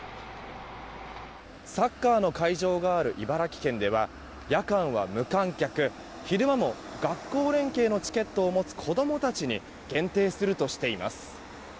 サッカーの会場がある茨城県では夜間は無観客、昼間も学校連携のチケットを持つ子供たちに限定するとしています。